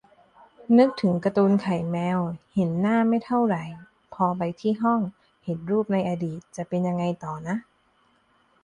นึกถึงการ์ตูนไข่แมว เห็นหน้าไม่เท่าไหร่ พอไปที่ห้อง เห็นรูปในอดีต จะเป็นไงต่อนะ